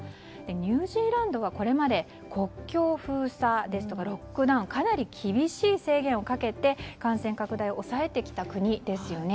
ニュージーランドはこれまで国境封鎖ですとかロックダウンかなり厳しい制限をかけて感染拡大を抑えてきた国ですよね。